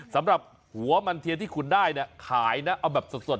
สำหรับหัวมันเทียนที่คุณได้เนี่ยขายนะเอาแบบสด